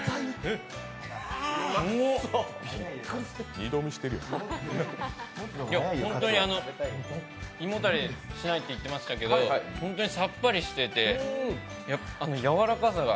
おおっ、ホントに胃もたれしないって言ってましたけど本当にさっぱりしてて、やわらかさが。